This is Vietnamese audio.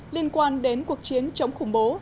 liên quan đến cuộc chiến chống khủng bố